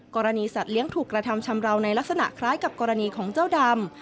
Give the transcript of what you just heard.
กรณีสัตว์เลี้ยงถูกกระทำชำราวในลักษณะคล้ายกับกรณีของเจ้าดำ